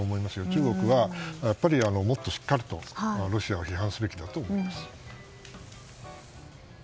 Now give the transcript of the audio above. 中国はやっぱりもっとしっかりとロシアを批判すべきだと思います。